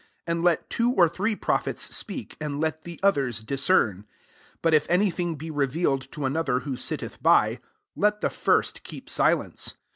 29 And let two or three prophets speak ; and let the others discern. 30 But if any thing be revealed to another who sitteth by, let the first keep silence.